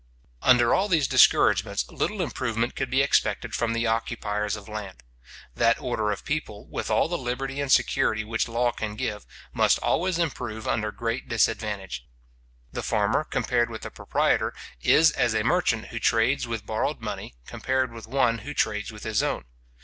Under all these discouragements, little improvement could be expected from the occupiers of land. That order of people, with all the liberty and security which law can give, must always improve under great disadvantage. The farmer, compared with the proprietor, is as a merchant who trades with burrowed money, compared with one who trades with his own.